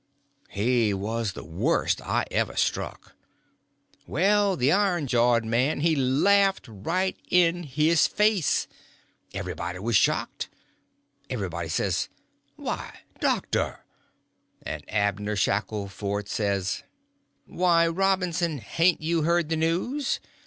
He was the worst I ever struck. Well, the iron jawed man he laughed right in his face. Everybody was shocked. Everybody says, "Why, doctor!" and Abner Shackleford says: "Why, Robinson, hain't you heard the news?